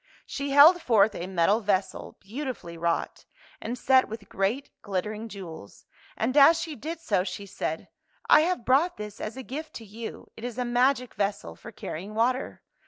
She held forth a metal vessel, beautifully wrought, and set with great glittering jew els, and as she did so, she said, " I have brought this as a gift to you. It is a magic vessel for cariying water.